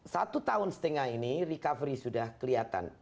satu tahun setengah ini recovery sudah kelihatan